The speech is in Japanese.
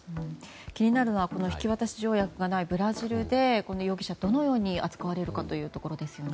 気になるのは引渡条約がないブラジルで、容疑者はどのように扱われるかという点ですね。